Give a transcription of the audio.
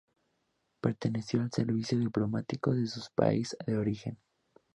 Perteneció al servicio diplomático de su país de origen.